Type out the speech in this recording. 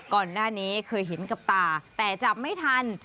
ก่อนหน้านี้เคยเห็นกับตาแต่จับไม่ทัน